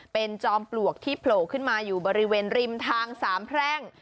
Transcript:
เป็นจอมปลวกที่โผล่ขึ้นมาอยู่บริเวณริมทางสามแพร่ง